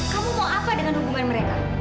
kamu mau apa dengan hubungan mereka